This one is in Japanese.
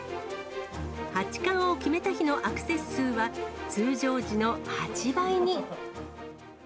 八冠を決めた日のアクセス数は、通常時の８倍に。